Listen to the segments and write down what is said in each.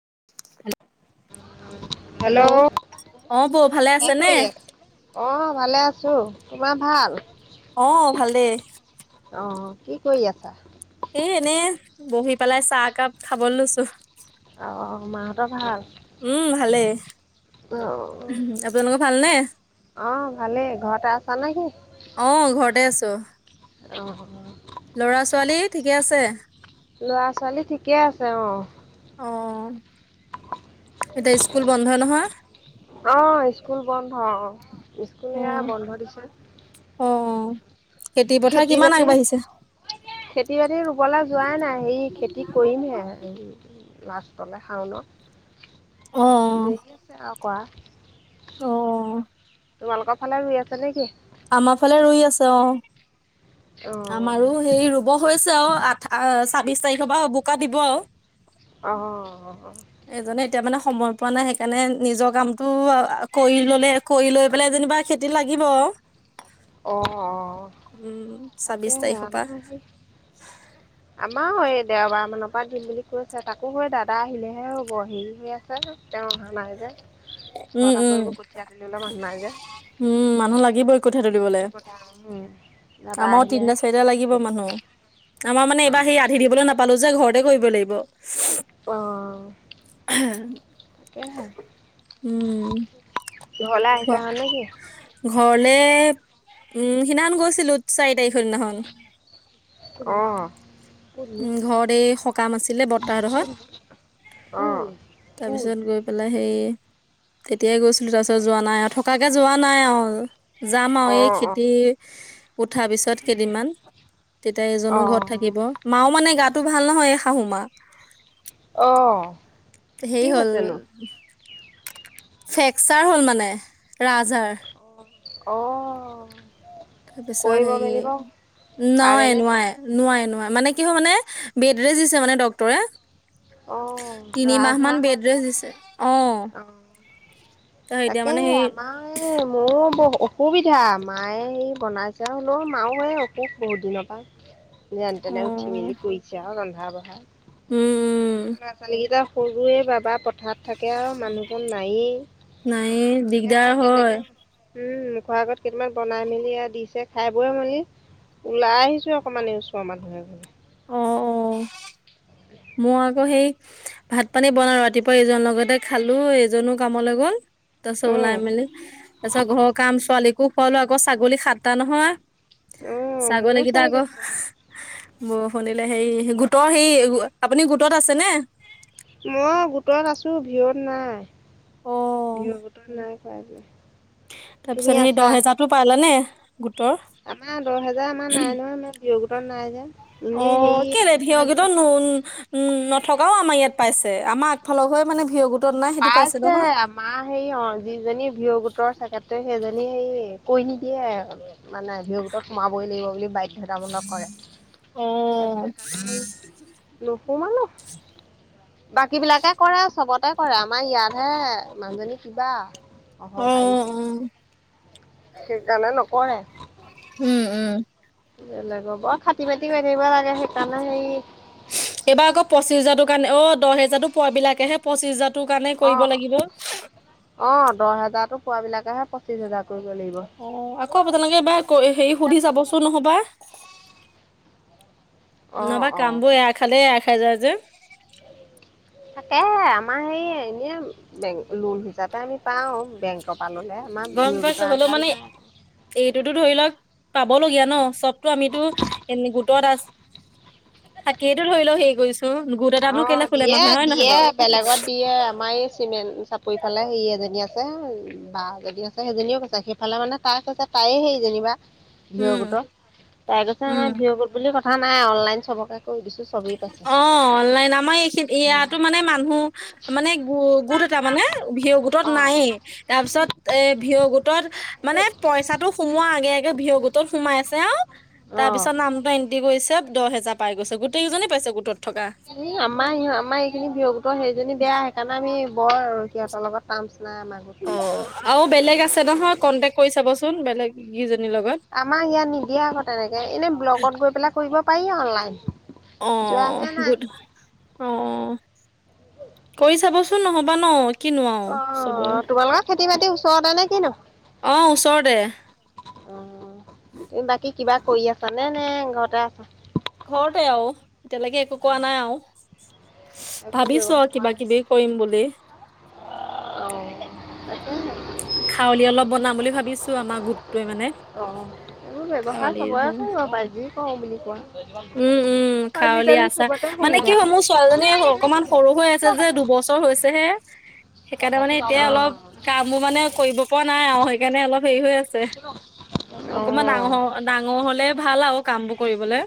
[inaudible] Hello? অ বৌ ভালে আছে কি নে কৰি আছ, অ' ভালে আছো! তোমাৰ ভাল? অ', ভালেই। অ', কি কৰি আছা? এ এনে বহি পেলাই চাহ একাপ খাব লৈছো। অ', মাহঁতৰ ভাল। উম, ভালেই! অ' আপোনালোকৰ ভালনে? অ', ভালেই। ঘৰতে আছা নে কি? অ [inaudible] অ', ল'ৰা ছোৱালী ঠিকে আছে? ল'ৰা ছোৱালী ঠিকে আছে অ'। অ', এতিয়া স্কুল বন্ধ নহয়? আহ স্কুল বন্ধ অ' স্কুল অ এয়া বন্ধ দিছে। অ'। পথাৰ খেতি কিমান বাতি আগবাঢ়িছে খেতি বাতি ৰুবলৈ যোৱাই নাই। হেৰি খেতি কৰিমহে লাষ্টলৈ অ শাওনত দেৰি আছে আৰু। কৰা। অ তোমালোকৰ ফালে ৰুই আছ নে কি? আমাৰ ফালে ৰুই আছে অ'। আমাৰো অ' সেই ৰুব হৈছে অ' আঠ ছাব্বিশ তাৰিখৰ পৰা বোকা দিব আৰু। আহ। এজনে এতিয়া মানে সময় পোৱা নাই সেইকাৰণে নিজৰ কামটো কৰি ল'লে কৰি লৈ পেলাই যেনিবা খেতিত লাগিব আৰু। অ', অহ উম ছাব্বিশ তাকে তাৰিখৰ পৰা আমাৰ সেই আম আমাৰ দেওবাৰ মানৰ পৰা দিম বুলি কৈছে। তাকো হয় দাদা আহিলেহে হ'ব হেৰি হৈ আছে। তেওঁ অহা নাই যে উম ঘৰত আকৌ উম এইবোৰ কঠীয়া তুলিবলৈ মানুহ নাই যে। উম মানুহ লাগিবই কঠীয়া তুলিবলে সেইটো কথা উম দাদা আমাৰো তিনিটা আহিলেহে চাৰিটা খেতি লাগিব ধৰিম। মানুহ আমাৰ মানে এইবাৰ সেই আধি দিবলৈ নাপালো যে ঘৰতে কৰিব লাগিব। অ' উম ঘৰলৈ আহিছা খোলক, হয় নেকি ঘৰলে উম সিদিনাখন গৈছিলো চাৰি তাৰিখৰ দিনাখন। অ' ঘৰতে সকাম আছিলে বত্তাহ'তৰ ঘৰত। অঁ তাৰপিছত গৈ পেলাই সেই তেতিয়াই গৈছিলো, তাৰপিছত যোৱা নাই আৰু থকাকে যোৱা নাই আৰু। যাম আৰু এই অঁ অঁ খেতি উঠাৰ পিছত কেইদিনমান তেতিয়া এজনো অঁ ঘৰত থাকিব, মাও মানে গাটো ভাল নহয় শাহু মা। অ' হেই হ'ল ফ্ৰেকচাৰ হ'ল মানে ৰাজহাড়। অ' তাৰপিছত হেৰি নোৱাই নোৱাৰে নোৱাৰে। মানে কি হয় মানে বেডৰেষ্ট দিছে মানে ডক্তৰে। অঁ তিনি মাহ ৰাজহাঁহ মান হ'ল যে বেডৰেষ্ট দিছে। অ' ত এতিয়া তাকে মানে সেই আমাৰ মোৰো ব অসুবিধা মায়ে সেঈ বনাইছে হ'লেওঁ মাও অসুখ বহুত দিনৰ পৰা। যেন অ তেনে উঠি উম মেলি কৰিছে আৰু ৰন্ধা বঢ়া উম ল'ৰা ছোৱালীকেইটা সৰুৱে বাবা [unintelligible] ঘৰত থাকে আৰু মানুহজন নায়েই, নাই এ দিগদাৰ হয় তেনেকে উম খৰ আগত কেইটামান বনাই মেলি আৰু দিছে খাই বৈ মেলি ওলাই আহিছো অকমান এই ওচৰৰ মানুহ এঘৰলে। অ' মই আকৌ সেই ভাত পানী বনাওঁ ৰাতিপুৱা এইজন লগতে খালো এজনো কামলৈ গ'ল তাৰপিছত ওলাই উম মেলি তাৰ পিছত ঘৰৰ কাম' ছোৱালীকো শুৱালো, আকৌ ছাগলী সাতটা নহয়। উম ছাগলী মোৰো কিতা আকৌ আছে বাৰু বৰষুন দিলে হেৰি, গোটৰ সেই আপুনি গোটত আছেনে? মই গোটত আছো। ভিঅ'ত নাই অ' ভিঅ' গোটত নাই। হয়ে [unintelligible] তাৰপিছত সেই দহ হেজাৰতটো পাইলানে? গো আমাৰ দহ হেজাৰ আমাৰ নাই নহয় মই ভিঅ' গোটত নাই যে। এনেই অ' হেৰি কেলে ভিঅ' আত্মসহায়ক গোটত গোট আছে নুন উ ন থকাও আমাৰ ইয়াত পাইছে। আমাৰ আগফালৰ ঘৰৰ মানে ভিঅ' গোট পাইছে আমাৰ হেৰি অ যিজনী ভিঅ' গোটৰ ছেকেটতৰি সেইজনী হে হে কৈ নিদিয়ে মানে ভিঅ' গোটত সোমাবই লাগিব বুলি বাধ্যতামূলক কৰে। অ', তাৰিছতে সেই নহু মানুহ [unintelligible] বাকী বিলাকে কৰে চবতে কৰে আমাৰ ইয়াতহে, মানুহজনী কিবা অ', অহংকাৰী নিছিনা সেইকাৰণে নকৰে। উম, উম বেলেগ বৰ খাতি বাতি কৰি থাকিব লাগে সেইকাৰণে হেৰি এইবাৰ আকৌ পঁচিছ হোজাৰটোৰ কাৰণে অ' দহ হেজাৰতো পোৱ বিলাকেহে পঁচিছ হাজাৰ অ' অ' দহ হেজাৰতো পোৱাবিলাকেহে পঁচিশ হেজাৰ কৰিব লাগিব অ' আকৌ আপোনালোকে এইবাৰ হেৰি সুধি চাবচোন নহবা। অ', নহবা অ', কামবোৰ এৰা খালে এৰা খাই যায় যে তাকেহে আমাৰ এই এনে বেং লোন যাতে আমি পাওঁ বেংকৰ পৰা ল'লে আমাৰ ভিঅ' গোটৰ আণ্ডাৰত নাই। টো ধৰি লওঁক পাব লগীয়া ন চবতটো আমিটো এনে গোটত আছ তাকেইটো ধৰি লৈ হেৰি কৰিছো। গোট এটানো অ কেলে খোলে দিয়ে মানুহে হয় নহয় দিয়ে বাৰু বেলেগত দিয়ে আমাৰ এই চিমেণ্ট চাপৰি সেইফালে হেৰি এজনী আছে বা এজনী আছে সেইজনীও কৈছে সেইফালে মানে তাই কৈছে তাইয়ে হেৰি যেনিবা। ভি অ উম গোটৰ তাই কৈছে উম আমাৰ ভি অ গোট বুলি কথা নাই অনলাইন চবকে কৰি দিছো চবেই অ পাইছে। আমাৰ এইখিনি ইয়াতো মানে মানুহ মানে গো গোট এটা মানে ভি অ গোটত নাইয়েই। তাৰ পিছত এ ভি অ গোটত মানে পইচাটো সোমোৱা আগে আগে ভি অ গোট ত সোমাইছে আও অ', তাৰপিছত নামটো এণ্ট্ৰি কৰিছে দহ হেজাৰ পাই গৈছে গ ই আমাৰ আমাৰ এইখিনি ভি অ গোটৰ হেৰিজনী বেয়া সেইকাৰণে আমি বৰ আৰু সিহঁতৰ লগত টাৰ্মছ নাই আমাৰ অ গোট আৰু বেলেগ আছে নহয় কন্টেক্ট কৰি চাবচোন বেলেগ কি আমাৰ ইয়াত নিদিয়ে আকৌ তেনেকে এনে ব্লকত গৈ পেলাই কৰিব পাৰি অনলাইন। অ যোৱাহে গু নাই অ কৰি চাবচো চোন নহ'বা ন। কিনো আও অ চবৰে তোমালোকৰ খেতি-বাতি ওচৰতে নে কিনো? অ ওচৰতে। অ তুমি বাকী কিবা কৰি আছা নে নে ঘৰতে আছা? এতিয়ালেকে একো কৰা নাই আৰু। ভাবিছো আৰু কিবা কিবি কৰিম বুলি। অ খাৰলি অলপ বনাম বুলি ভাবিছো আমাৰ গোটটোৱে মানে। সেবোৰ ব্যৱস্যাই খাৱলি চবৰে যে কৰিব পাৰি যি কৰো বুলি উম উম কোৱা। খাৱলি আজিকালি আচাৰ চবতে মানে কি হয় মোৰ ছোৱালীজনী সুবিধা। অকমান সৰু হৈ আছে যে দুবছৰ হৈছেহে। সেইকাৰণে মানে এতিয়া অলপ কামবোৰ মানে কৰিব পৰা নাই আৰু সেইকাৰণে অলপ হেৰি হৈ আ ছে অ অ অকমান ডাঙৰ ডাঙৰ হ'লে ভাল আও কামবোৰ কৰিবলে।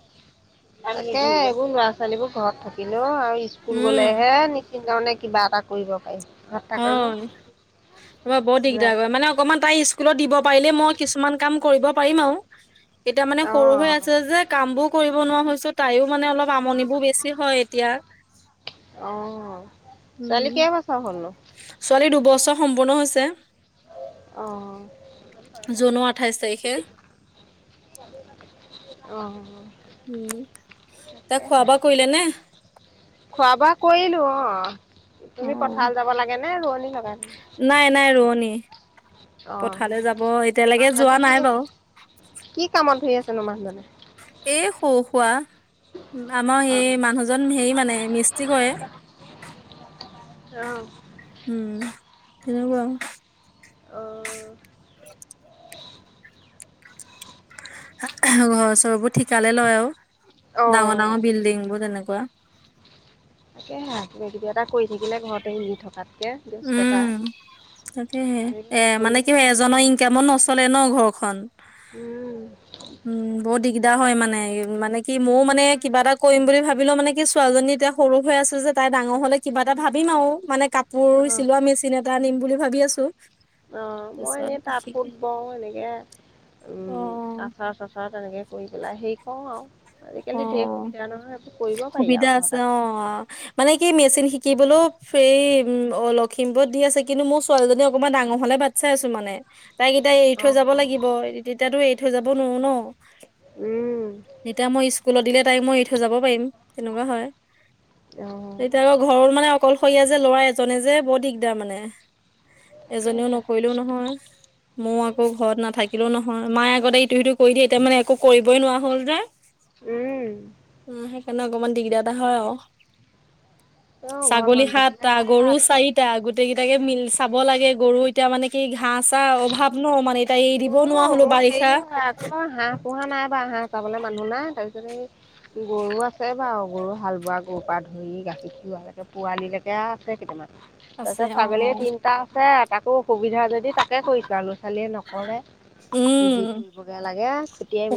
তাকে এইবোৰ ল'ৰা-ছোৱালীবোৰ ঘৰত থাকিলেও আৰু স্কুল উম গ'লেহে নিশ্চিন্তমনে কিবা এটা কৰিব পাৰি। ঘৰত থাকাটো হয় বৰ ঘূৰাই দিগদাৰ কৰে থাকে মানে অকমান তাই ইচ স্কুলত দিব পাৰিলে মই কিছুমান কাম কৰিব পাৰিম আও এতিয়া মানে সৰু হৈ অ আছে যে কামবোৰ কৰিব নোৱাৰা হৈছো তাইও মানে অলপ আমনিবোৰ বেছি হয় এতিয়া অ। ছোৱালী কেইবছৰ হ'লনো? ছোৱালীৰ দুবছৰ সম্পূৰ্ণ হৈছে। অ', জুনৰ আঠাইছ তাৰিখে। অ। উম তাই খোৱা তাকেহে। বোৱা কৰিলে নে খোৱা-বোৱা কৰিলো অ। অ। ' অ তুমি পথাৰলে যাব লাগে নে ৰোৱনী লগাই? থৈছা? নাই নাই ৰোৱনী। অ পথাৰলৈ যাব এতিয়ালৈকে মানুহজনে যোৱা কি নাই বাৰু কি কামত ধৰি আছেনো মানুহজনে? এই সৰু-সুৱা। আমাৰ অ', সেই মানুহজন হেৰি মানে মিস্ত্ৰী কৰে। অ', উম তেনেকুৱা আৰু। অ [unintelligible] ঘৰ-চৰবোৰ ঠিকালে লয় আৰু ডাঙৰ অ', ডাঙৰ বিল্ডিংবোৰ তেনেকু কুৱা। তাকেহে কিবা-কিবি এটা কৰি থাকিলে ঘৰতে এনে থকাতকে ব্যস্ততা। উম তাকেহে আজিকালি মানে নকৰিলে কি হয় একোৱেই এজনৰ নাই ইনকামত নচলে ন ঘৰখন। উম, উম বহুত দিগদাৰ হয় মানে মানে কি মইয়ো মানে উম, কিবা এটা কৰিম বুলি ভাবি ভাবিলেও মানে কি ছোৱালীজনী এতিয়া সৰু হৈ আছে যে তাই ডাঙৰ হ'লে কিবা এটা ভাবিম আও মানে কাপ পোৰ অ', চিলোৱা মেচিন এটা আনিম বুলি ভাবি আছো। অ মই তাৰপিছত এনেই তাত কুত বিশেষকে বওঁ এনেকে উম, অ', আচাৰ-চাচাৰ তেনেকে কৰি পেলাই হেৰি কৰো আৰু আজিকালি ঢেৰ অ', সুবিধা নহয়। এইবোৰ কৰিব পাৰি সুবিধা আৰু আছে। ঘৰতে অ' থকাতকৈ মানে কি মেচিন শিকিবলৈও সেই! উম, অ' লখিমপুৰত দি আছে কিন্তু মোৰ ছোৱালীজনী অকমান ডাঙৰ হোৱালে বাট চাই আছো মানে। তাইক এতিয়া এৰি থৈ যাব লাগিব। [unintelligible] তিয়াতো এৰি থৈ যাব নোৱাৰোঁ ন'। উম তেতিয়া মই স্কুলত দিলে তাইক মই এৰি থৈ যাব পাৰিম! তেনেকুৱা হয়। অঁ এতিয়া আকৌ ঘৰত মানে অকলশৰীয়া যে, ল'ৰা এজনে যে, বৰ দিগদাৰ মানে। এজনেও তাকেহে নকৰিলেও নহয়! মোৰ আকৌ ঘৰত নাথা কিলেও নহয়। মাই আগতে ইটো-সিটো কৰি দিয়ে! এতিয়া মানে একো কৰিবই নোৱাৰা হ'ল যে। উম। উম, সেইকাৰণে অকমান দিগদাৰ এটা হয় আৰু। তেওঁ ঘৰত ছাগলী মানুহ থাকিলে সাতটা, গৰু ভাল অ চাৰিটা, গোটেইকেই টাকেই মিল চাব লাগে। গৰু এতিয়া মানে কি ঘাঁহ-চাহ অভাৱ। ন মানে এতিয়া এৰি দিবও মোৰো, নোৱাৰা হলো মোৰ বাৰিষা হেৰি হয় আকৌ হাঁহ পোহা নাই বা হাঁহ চাবলৈ মানুহ নাই তাৰপিছ [unintelligible] গৰু আছে বাৰু। গৰু হাল বোৱা গৰু পৰা ধৰি গাখীৰ খিৰুৱালৈকে, পোৱালিলৈকে হাঁহ আছে কেইটামান। আছে তাৰপিছত অ ছাগলীয়ে তিনিটা আছে। তাকো সুবিধা যদি তাকে কৰিছোঁ আৰু ল'ৰা ছোৱালীয়ে ন কৰে, উম যি কৰিবগে লাগে!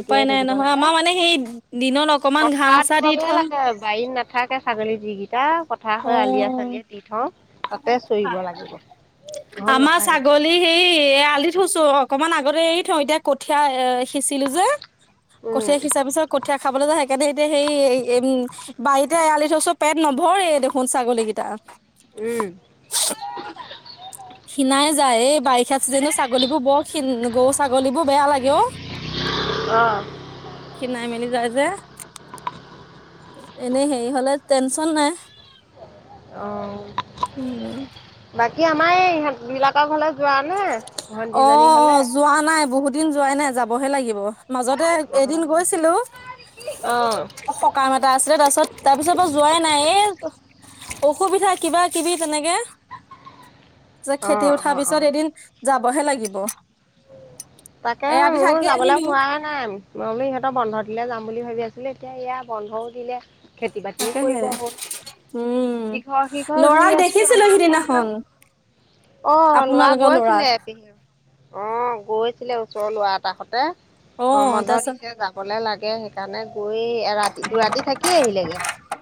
উপায় নাই থাকিব নহয় লাগে। আমাৰ মানে সেই দিনত অকমান ঘাঁহ পথাৰত চাহ দি দিবগে থওঁ লাগে। বাৰীত নাথাকে ছাগলী যিকিতা। পথাৰে হৈ অ আলিয়ে-চালিয়ে দি থওঁ! তাতে চৰিব লাগিব। ঘৰত আমাৰ নাথাকে ছাগলী হেৰি এৰাল দি থৈছোঁ [unintelligible] অকমান আগতে এৰি থওঁ। এতিয়া কঠীয়া এ সিঁচিলো যে, উম কঠীয়া সিঁচাৰ পিছত কঠীয়া খাবলৈ যায় সে এয়াতে এতিয়া হেৰি [unintelligible] উম, বাৰীতে এৰাল দি থৈছোঁ। পেট নভৰেই দেখোন ছাগলীকেইটাৰ। উম ক্ষীণাই যায়। এই বাৰীত [unintelligible] জনীও ছাগলীবোৰ বৰ ক্ষীণ, গৰু-ছাগলীবোৰ বেয়া লাগে অ'। অঁ ক্ষীণাই মেলি যায় যে। এনে হেৰি হ'লে টেনচন নাই। অ', উম বাকী আমাৰ এই ইহঁত বিলাকৰ ঘৰলৈ যোৱা নে ভণ্টিজনী ঘৰলৈ অ', যোৱা নাই, বহুত দিন যোৱাই নাই! যাবহে লাগিব। মাজতে এদিন গৈছিলোঁ। অঁ সকাম এটা আছিলে, তাৰপিছত-তাৰপিছত বাৰু যোৱাই নাই। এই অসুবিধা কিবা-কিবি তেনেকে। [unintelligible] খেতি অঁ উঠা অঁ পিছ [unintelligible] ছত অঁ এদিন যাবহে লাগিব। তাকেহে এৰাতি মোৰ থাকি যাবলৈ আহিলো হোৱাই নাই। মই বোলোঁ ইহঁতৰ বন্ধ দিলে যাম বুলি ভাবি আছোঁ। বোলে এতিয়া এয়া বন্ধও দিলে। খেতি-বাতিও তাকেহে কৰিব উম হ'ল। ইঘৰ-সিঘৰ লৰাক ৰুই আছোঁ। দেখিছিলো আমাৰ আকৌ সিদিনাখন হেৰি অ' লোৱা আপোনালোকৰ লৰাক গৈছিলে এ [unintelligible] অ', গৈছিলে ওচৰৰ ল'ৰা এটা সৈতে। অ গৰম বন্ধ তাৰপিছত দিছে যাবলে লা গে সেইকাৰণে গৈয়ে এৰাতি-দুৰাতি থাকি আহিলেগে।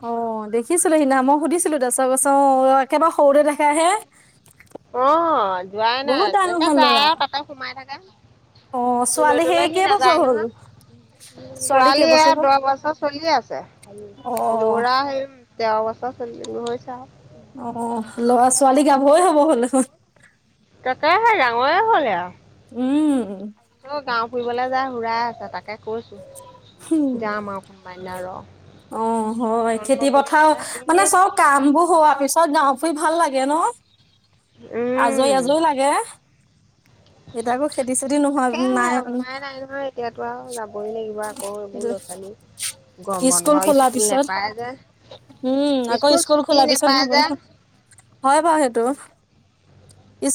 অ দেখিছিলো সিদিনা মই সুধিছিলোঁ ছবছৰ [unintelligible] একেবাৰে সৰুতে দেখাহে। অ', যোৱাই নাই। বহুত ডাঙৰ তেনেকে হ'ল যায় ল'ৰা আৰু তাতে সোমাই থাকে। অ ছোৱালী সেই অলৈ-তলৈ সি কেইবছৰ নাযায় হ'ল নহয়। ছোৱালী এয়া কেইবছৰ হ'ল দহ বছৰ চলিয়ে আছে। অ ল'ৰা হেই তেৰ বছৰ [unintelligible] হৈছে আৰু। অ'-অ', ল'ৰা-ছোৱালী গাভৰুৱে হ'ব হ'ল দেখোন। তাকে সি ডাঙৰে হ'লে আৰু। উম। অ' গাঁও ফুৰিবলৈ যায় [unintelligible] আছে। তাকে কৈছোঁ উম যাম আৰু কোনোবা এদিনা ৰহ। অ', হয়! খেতি পথাৰো যে মানে, এনেই চব কাম বোৰ হোৱাৰ পিছত যাওঁ। ঘূৰি ভাল লাগে ন'! উম। আজৰি-আজৰি লাগে। এতিয়া আকৌ খেতি চেতি নোহোৱা তাকে নাই উপায় নাই নহয় এতিয়াতো আৰু যাবই লাগিব আকৌ এইবোৰ লৈ কালি গৰম বন্ধ খোলাৰ স্কুল পিছত নোপায় যে উম, আকৌ স্কুল ছুটি খোলা পিছত নেপায় নহব যে নহয় হৈ বাৰু সেইটো।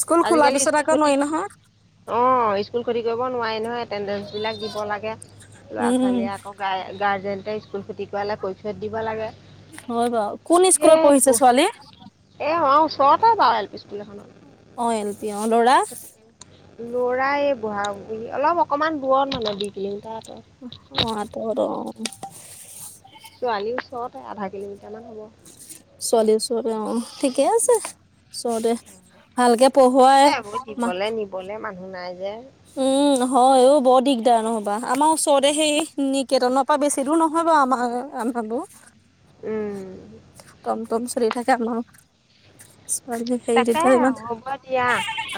স্কুল খোলাৰ আজিকালি পিছত স্কুল আকৌ ক্ষতি নোৱাৰি নহয় অ', স্কুল ক্ষতি কৰিব নোৱাৰি নহয়, এটেডেঞ্চ বিলাক দিব লাগে। ল'ৰা উম ছোৱালীয়ে আকৌ গাৰ্জেনটে স্কুল ক্ষতি কৰালে কৈ থয় দিব লাগে। হয় বাৰু কোন ধেৰ স্কুলত পঢ়িছে ছোৱালী? চৰকাৰী বাৰু এল পি স্কুল এখনত। তি অ' ল'ৰা। লৰাই বুঢ়া বহি অলপ অকণমান দূৰত মানে দুই কিলোমিটাৰ। আঁতৰত অ', ত' আৰু অ', ছোৱালীৰ ওচৰতে আধা কিলোমিটাৰ ছোৱালী ওচৰতে অ', ঠিকে আছে ওচৰতে ভালকে এ পঢ়োৱাই এইবোৰ দিবলৈ নিবলৈ মানুহ নাই যে। উম, হয় অ, বৰ দিগদাৰ নহবা আমাৰ ওচৰতে সেই নিকেতনৰ পৰা বেছি দূৰ নহয় আমাৰ আমি ভাবো উম, টমটম চলি থাকে আমাৰ। ছোৱালী হেৰি তাকে তেতিয়া ইমান হ'ব দিয়া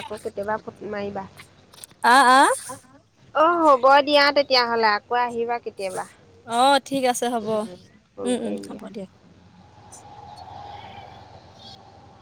আকৌ কেতিয়াবা ফুট মাৰিবা। আ, আ, অ', হ'ব দিয়া তেতিয়াহ'লে আকৌ আহিবা। কেতিয়াবা অ', ঠিক আছে হ'ব উম, ফোন উম, উম, কৰিম হ'ব দিয়া দিয়ক।